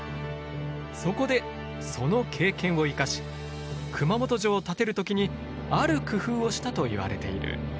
そこでその経験を生かし熊本城を建てる時にある工夫をしたといわれている。